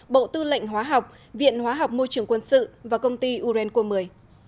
bộ tư lệnh hóa học viện hóa học môi trường quân sự và công ty urenco một mươi